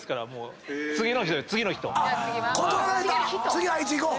次あいついこう。